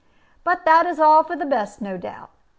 But that is all for the best, no doubt.